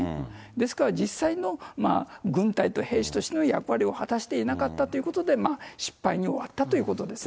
ですから、実際の軍隊と兵士としての役割を果たしていなかったということで、まあ、失敗に終わったということですね。